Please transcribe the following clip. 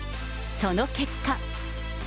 その結果。